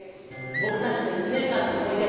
ぼくたちの１年間の思い出。